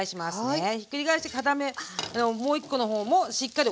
はい。